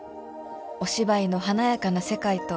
「お芝居の華やかな世界と」